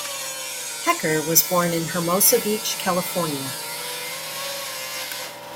Hecker was born in Hermosa Beach, California.